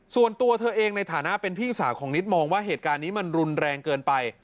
ส่วนตัวเธอเองในฐานะเป็นพี่สาวของนิดมองว่าเหตุการณ์นี้มันรุนแรงเกินไป